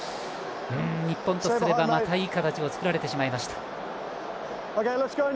日本とすれば、またいい形を作られてしまいました。